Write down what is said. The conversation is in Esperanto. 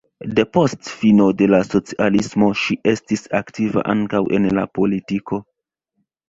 Depost fino de la socialismo ŝi estis aktiva ankaŭ en la politiko.